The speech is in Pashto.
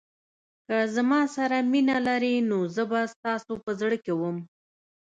که زما سره مینه لرئ نو زه به ستاسو په زړه کې وم.